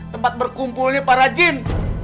tempat berkumpulnya para jin